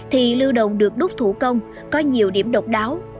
thì lưu đồng được đốt thủ công có nhiều điểm độc đáo